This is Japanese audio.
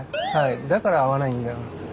だから合わないんだよな。